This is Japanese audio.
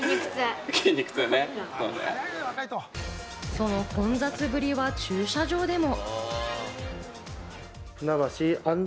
その混雑ぶりは駐車場でも。